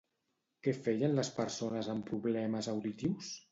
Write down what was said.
Què feien les persones amb problemes auditius?